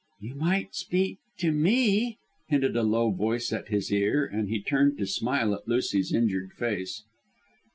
"You might speak to me," hinted a low voice at his ear, and he turned to smile at Lucy's injured face.